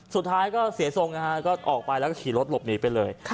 สุดท้ายก็เสียทรงนะฮะก็ออกไปแล้วก็ขี่รถหลบหนีไปเลย